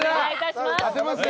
当てますね。